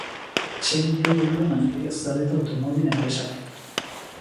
Sei milioi euro baino gehiago zor ditu automobil-enpresak.